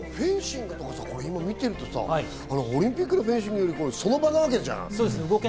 フェンシングを今見てるとさ、オリンピックのフェンシングよりその場なわけじゃん。